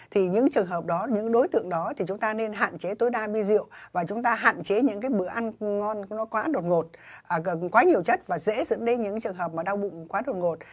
thì những trường hợp đó những đối tượng đó thì chúng ta nên hạn chế tối đa bia rượu và chúng ta hạn chế những cái bữa ăn ngon quá đột ngột quá nhiều chất và dễ dẫn đến những trường hợp mà đau bụng quá đột ngột